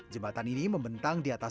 jembatan ini membentang di atas